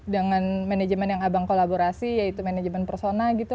dengan manajemen yang abang kolaborasi yaitu manajemen persona gitu